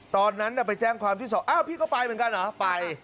ตอนนั้นไปแจ้งความที่สอบอ้าวพี่ก็ไปเหมือนกันเหรอไป